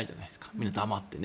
みんな黙ってね。